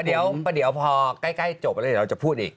เดี๋ยวพอใกล้จบแล้วเราจะพูดอีก